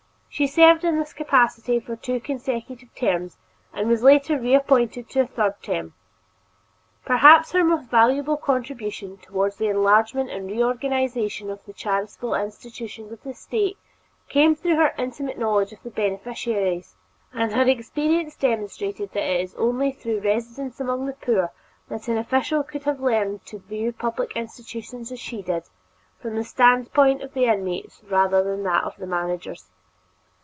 She served in this capacity for two consecutive terms and was later reappointed to a third term. Perhaps her most valuable contribution toward the enlargement and reorganization of the charitable institutions of the State came through her intimate knowledge of the beneficiaries, and her experience demonstrated that it is only through long residence among the poor that an official could have learned to view public institutions as she did, from the standpoint of the inmates rather than from that of the managers.